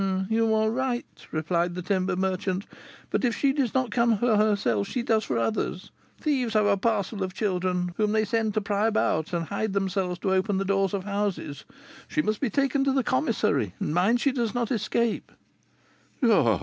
'You are right,' replied the timber merchant; 'but if she does not come for herself, she does for others. Thieves have a parcel of children, whom they send to pry about and hide themselves to open the doors of houses. She must be taken to the commissary, and mind she does not escape.'"